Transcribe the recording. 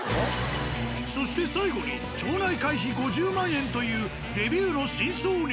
そして最後に町内会費５０万円というレビューの真相に。